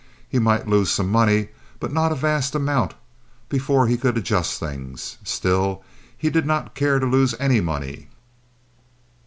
He might lose some money, but not a vast amount—before he could adjust things. Still he did not care to lose any money.